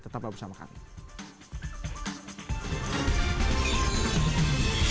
tetap bersama kami